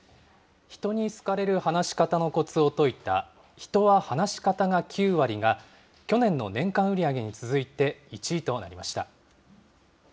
人に好かれる話し方のこつを説いた、人は話し方が９割が、去年の年間売り上げに続いて１位となりました。